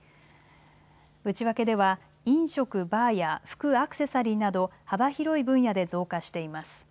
内訳では飲食・バーや服・アクセサリーなど幅広い分野で増加しています。